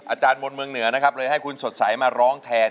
อาจารย์มนต์เมืองเหนือนะครับเลยให้คุณสดใสมาร้องแทน